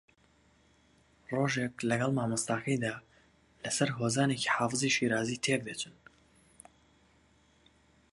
ڕۆژێک لەگەڵ مامۆستاکەیدا لەسەر ھۆزانێکی حافزی شیرازی تێکدەچن